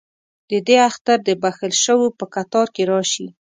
ددې اختر دبخښل شووپه کتار کې راشي